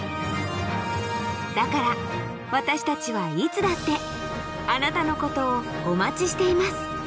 だから私たちはいつだってあなたのことをお待ちしています。